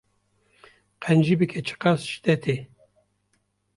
Qencî bike çi qas ji te tê